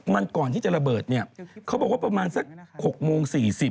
มันก่อนที่จะระเบิดเนี่ยเขาบอกว่าประมาณสัก๖โมง๔๐